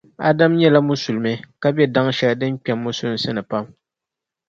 Adam nyɛla Musulimi ka be daŋ shɛli din kpԑm Musulinsi ni pam.